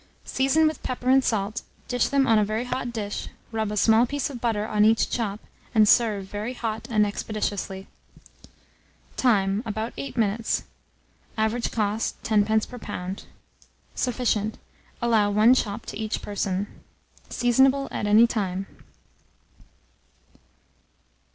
Season with pepper and salt, dish them on a very hot dish, rub a small piece of butter on each chop, and serve very hot and expeditiously. Time. About 8 minutes. Average cost, 10d. per lb. Sufficient. Allow 1 chop to each person. Seasonable at any time.